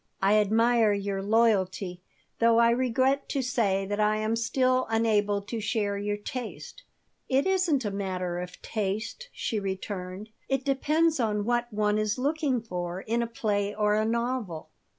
"I admire your loyalty, though I regret to say that I am still unable to share your taste." "It isn't a matter of taste," she returned. "It depends on what one is looking for in a play or a novel."